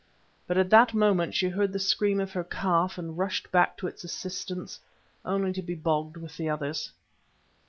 But at that moment she heard the scream of her calf, and rushed back to its assistance, only to be bogged with the others.